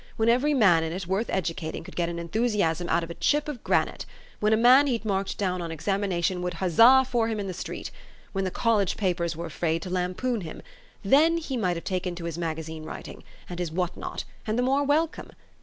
When every man in it worth edu cating could get an enthusiasm out of a chip of gran ite ; when a man he'd marked down on examination would huzza for him in the street ; when the college papers were afraid to lampoon him, then he might have taken to his magazine writing, and his what not, and the more welcome.